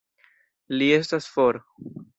Li estas for.